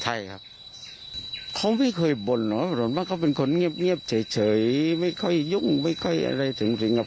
ใช่ครับเขาไม่เคยบ่นว่ะบอกว่าเขาเป็นคนเงียบเฉยเฉยเฉยไม่ค่อยยุ่งไม่ค่อยอะไรสุขรับ